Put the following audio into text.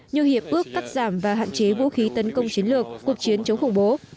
như hiệp ước cắt giảm và hạn chế vũ khí tấn công chiến lược cuộc chiến chống khủng bố